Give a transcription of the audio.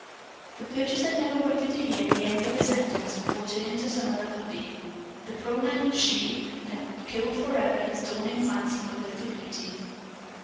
The purchaser never waited to hear the end of the sentence, before turning to some other puppy. The pronoun, "she," had killed forever his dawning fancy for the little beauty.